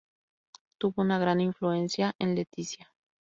Tuvo una gran influencia en Leticia.